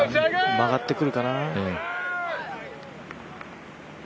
曲がってくるかな？